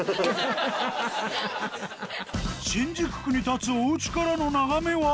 新宿区に建つお家からの眺めは？